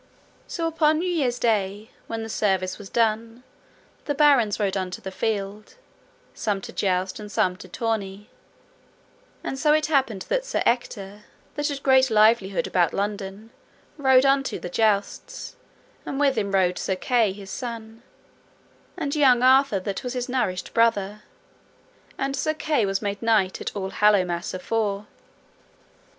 So upon New Year's Day, when the service was done, the barons rode unto the field, some to joust and some to tourney, and so it happened that Sir Ector, that had great livelihood about London, rode unto the jousts, and with him rode Sir Kay his son, and young Arthur that was his nourished brother; and Sir Kay was made knight at All Hallowmass afore.